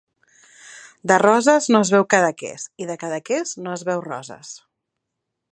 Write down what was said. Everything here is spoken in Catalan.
De Roses no es veu Cadaqués i de Cadaqués no es veu Roses.